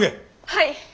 はい。